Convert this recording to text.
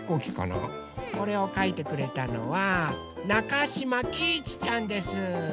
これをかいてくれたのはなかしまきいちちゃんです。